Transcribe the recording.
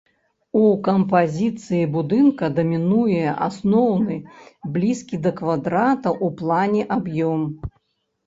У кампазіцыі будынка дамінуе асноўны блізкі да квадрата ў плане аб'ём.